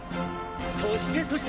そしてそして！